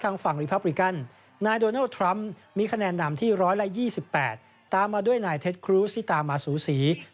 ทางฝั่งริพับริกาลนายโดนเอลทรัมพ์มีคะแนนดำที่๑๒๘ตามมาด้วยนายเทศครูส